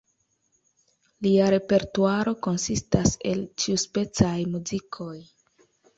Lia repertuaro konsistas el ĉiuspecaj muzikoj.